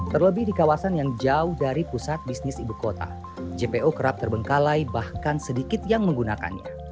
terlebih di kawasan yang jauh dari pusat bisnis ibu kota jpo kerap terbengkalai bahkan sedikit yang menggunakannya